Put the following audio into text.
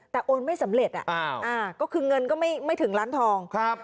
แต่โอนไม่สำเร็จอ่ะอ้าวอ่าก็คือเงินก็ไม่ไม่ถึงร้านทองครับ